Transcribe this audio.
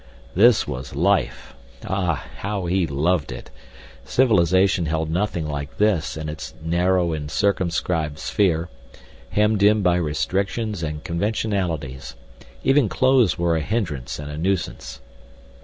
This was life! Ah, how he loved it! Civilization held nothing like this in its narrow and circumscribed sphere, hemmed in by restrictions and conventionalities. Even clothes were a hindrance and a nuisance.